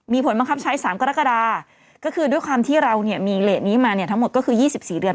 มีผลบังคับใช้๓กรกฎาก็คือด้วยความที่เราเนี่ยมีเลสนี้มาเนี่ยทั้งหมดก็คือ๒๔เดือน